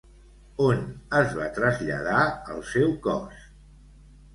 On es va traslladar el seu cos?